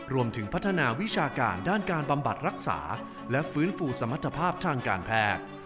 รวมถึงพัฒนาวิชาการด้านการบำบัดรักษาและฟื้นฟูสมรรถภาพทางการแพทย์